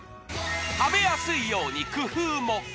食べやすいように工夫も！